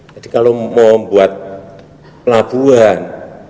kalau mau membuat pelabuhan